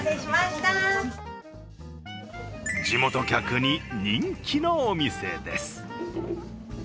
地元客に人気のお店です。